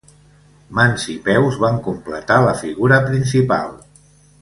Mans i peus van completar la figura principal.